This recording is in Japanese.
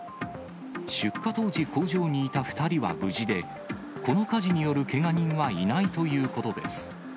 出火当時、工場にいた２人は無事で、この火事によるけが人はいないということです。